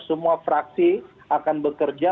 semua fraksi akan bekerja